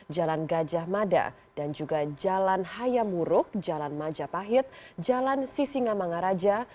jalan gajah mada dan juga jalan haya murug jalan majapahit jalan sisi ngamangaraja